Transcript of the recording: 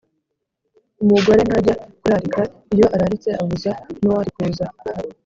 Umugore ntajya kurarika, iyo araritse abuza n’uwari kuza.